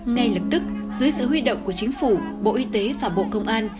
ngay lập tức dưới sự huy động của chính phủ bộ y tế và bộ công an